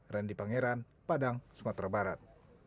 randy pangeran padang sumatera barat